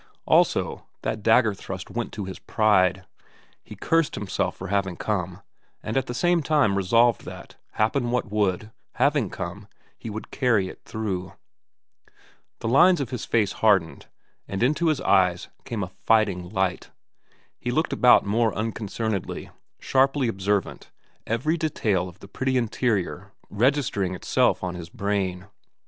Also, that dagger thrust went to his pride. He cursed himself for having come, and at the same time resolved that, happen what would, having come, he would carry it through. The lines of his face hardened, and into his eyes came a fighting light. He looked about more unconcernedly, sharply observant, every detail of the pretty interior registering itself on his brain.